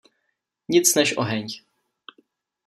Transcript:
Nic než oheň.